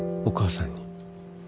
お母さんに。